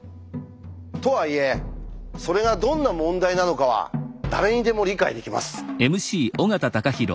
とはいえそれがどんな問題なのかは誰にでも理解できます。